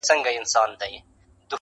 له ژرندي زه راځم، غوږونه ستا سپېره دي.